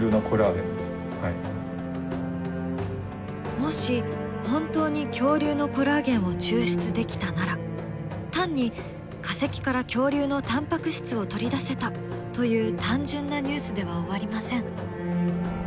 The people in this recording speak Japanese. もし本当に恐竜のコラーゲンを抽出できたなら単に化石から恐竜のタンパク質を取り出せた！という単純なニュースでは終わりません。